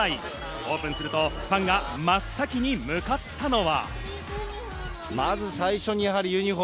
オープンするとファンが真っ先に向かったのは。